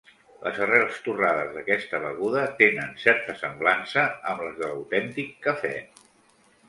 Les arrels torrades d'aquesta beguda tenen certa semblança amb les de l'autèntic cafè.